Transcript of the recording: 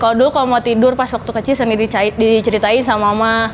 kalau dulu kalau mau tidur pas waktu kecil sendiri diceritain sama mama